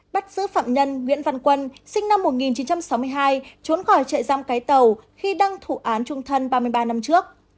bắt giữ phạm nhân nguyễn văn quân sinh năm một nghìn chín trăm sáu mươi hai trốn khỏi trại giam cái tàu khi đang thụ án trung thân ba mươi ba năm trước